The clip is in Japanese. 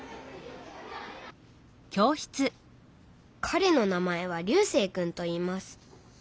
かれの名前は流星君といいます。